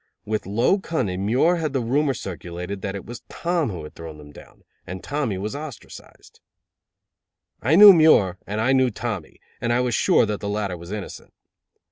With low cunning Muir had had the rumor circulated that it was Tom who had thrown them down, and Tommy was ostracized. I knew Muir and I knew Tommy, and I was sure that the latter was innocent.